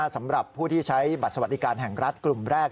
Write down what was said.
สำหรับผู้ที่ใช้บัตรสวัสดิการแห่งรัฐกลุ่มแรก